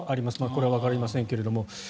これはわかりませんけども。